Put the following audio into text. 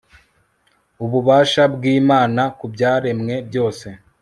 ububasha bw'imana ku byaremwe byose